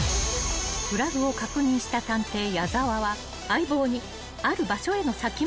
［フラグを確認した探偵矢澤は相棒にある場所への先回りを指示］